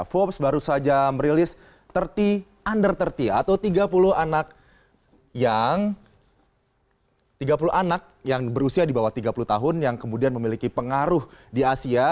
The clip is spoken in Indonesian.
forbes baru saja merilis tiga puluh under tiga puluh atau tiga puluh anak yang tiga puluh anak yang berusia di bawah tiga puluh tahun yang kemudian memiliki pengaruh di asia